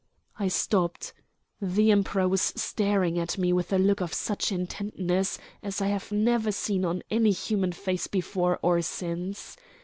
I stopped. The Emperor was staring at me with a look of such intentness as I have never seen on any human face before or since.